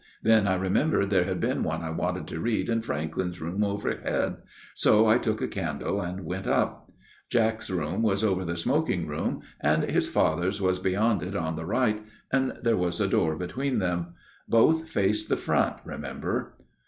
Then I remembered there had been one I wanted to read in Franklyn's room overhead, so I took a candle and went up. Jack's room was over the smoking room, and his 64 A MIRROR OF SHALOTT father's was beyond it on the right, and there was a door between them. Both faced the front, remember.